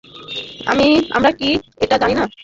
আমরা কি এটা জানি না?